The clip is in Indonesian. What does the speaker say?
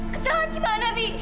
kecelakaan gimana bi